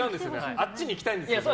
あっちに行きたいんですよね。